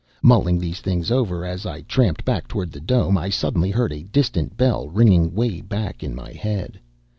Mulling these things over as I tramped back toward the dome, I suddenly heard a distant bell ringing way back in my head.